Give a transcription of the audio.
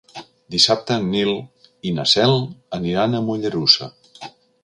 Dissabte en Nil i na Cel aniran a Mollerussa.